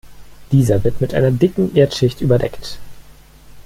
Dieser wird mit einer dicken Erdschicht überdeckt.